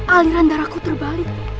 aliran darahku terbalik